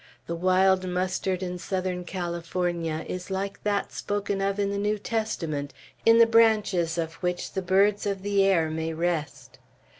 The wild mustard in Southern California is like that spoken of in the New Testament, in the branches of which the birds of the air may rest.